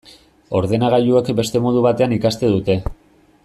Ordenagailuek beste modu batean ikasten dute.